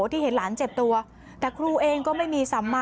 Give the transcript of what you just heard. ที่เห็นหลานเจ็บตัวแต่ครูเองก็ไม่มีสัมมา